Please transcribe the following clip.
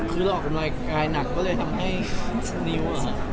คือเราออกกำลังกายหนักก็เลยทำให้นิ้ว